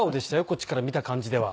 こっちから見た感じでは。